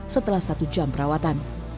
setelah satu jam perawatan